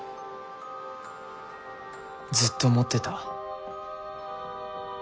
ずっと思ってた。